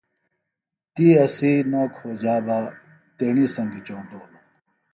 تی اسی نوکھوجا بہ تیݨی سنگیۡ چونٹولوۡ